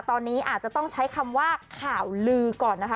ตอนนี้อาจจะต้องใช้คำว่าข่าวลือก่อนนะคะ